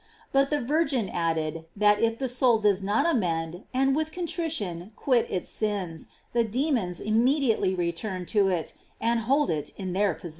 § But the Virgin added, that if the soul does not amend, and with contrition quit its sins, the demons im mediately return to it and hold it in their pos.